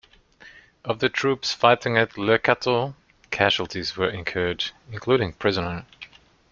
Of the troops fighting at Le Cateau, casualties were incurred, including prisoner.